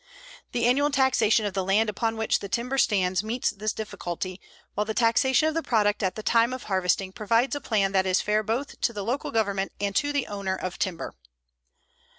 The annual taxation of the land upon which the timber stands meets this difficulty, while the taxation of the product at the time of harvesting provides a plan that is fair both to the local government and to the owner of timber.